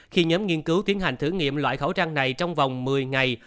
khi nhóm nghiên cứu tiến hành thử nghiệm loại khẩu trang này trong vòng một mươi ngày